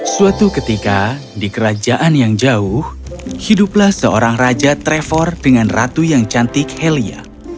suatu ketika di kerajaan yang jauh hiduplah seorang raja trevor dengan ratu yang cantik helia